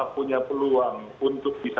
punya peluang untuk bisa